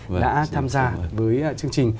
đã tham gia với chương trình